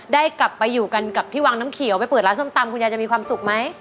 ได้กลับไปอยู่กันกับที่วังน้ำเขียวไปเปิดร้านส้มตำคุณยายจะมีความสุขไหม